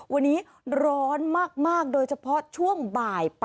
วันนี้ร้อนมากโดยเฉพาะช่วงบ่าย